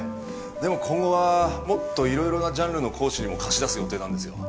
でも今後はもっといろいろなジャンルの講師にも貸し出す予定なんですよ。